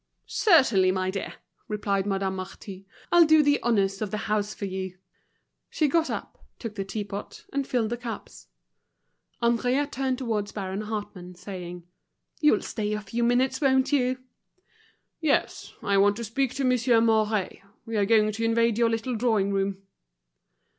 "Certainly, my dear," replied Madame Marty. "I'll do the honors of the house for you." She got up, took the teapot, and filled the cups. Henriette turned towards Baron Hartmann, saying: "You'll stay a few minutes, won't you?" "Yes; I want to speak to Monsieur Mouret. We are going to invade your little drawing room."